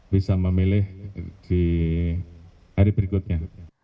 bisa memilih di hari berikutnya